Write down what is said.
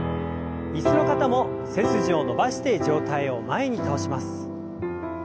椅子の方も背筋を伸ばして上体を前に倒します。